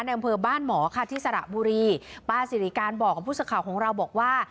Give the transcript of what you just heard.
อำเภอบ้านหมอค่ะที่สระบุรีป้าสิริการบอกกับผู้สื่อข่าวของเราบอกว่า